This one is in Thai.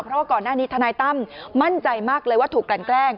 เพราะว่าก่อนหน้านี้ทนายตั้มมั่นใจมากเลยว่าถูกกลั่นแกล้ง